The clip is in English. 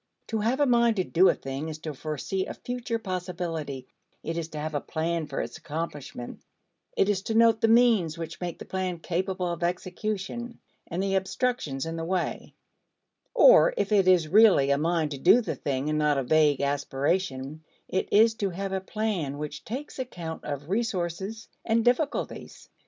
To have a mind to do a thing is to foresee a future possibility; it is to have a plan for its accomplishment; it is to note the means which make the plan capable of execution and the obstructions in the way, or, if it is really a mind to do the thing and not a vague aspiration it is to have a plan which takes account of resources and difficulties.